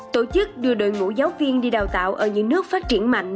tổ chức đưa đội ngũ giáo viên đi đào tạo ở những nước phát triển mạnh